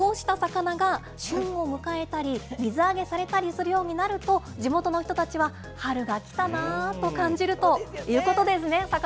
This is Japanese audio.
こうした魚が旬を迎えたり、水揚げされたりするようになると、地元の人たちは、春が来たなと感じるということですね。